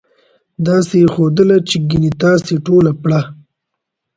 داسې یې ښودله چې ګنې تاسې ټوله پړه.